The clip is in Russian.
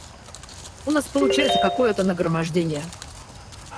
У нас получается какое-то нагромождение.